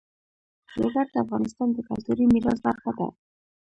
لوگر د افغانستان د کلتوري میراث برخه ده.